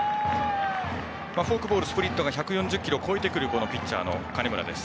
フォークボール、スプリットが１４０キロを超えてくるピッチャーの金村です。